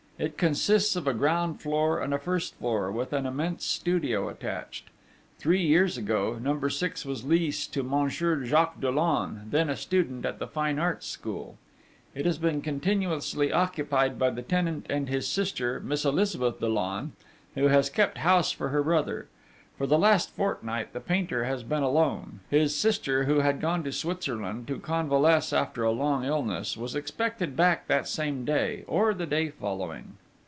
It consists of a ground floor and a first floor, with an immense studio attached. Three years ago, Number 6 was leased to Monsieur Jacques Dollon, then a student at the Fine Arts School. It has been continuously occupied by the tenant and his sister, Miss Elizabeth Dollon, who has kept house for her brother. For the last fortnight the painter has been alone: his sister, who had gone to Switzerland to convalesce after a long illness, was expected back that same day, or the day following.